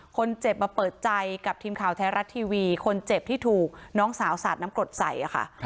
คนเจ็บมาเปิดใจกับทีมข่าวไทยรัฐทีวีคนเจ็บที่ถูกน้องสาวสาดน้ำกรดใส่ค่ะ